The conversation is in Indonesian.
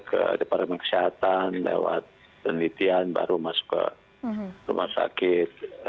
ke departemen kesehatan lewat penelitian baru masuk ke rumah sakit